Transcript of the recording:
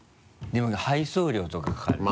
でも配送料とかかかるし。